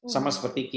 sama seperti qox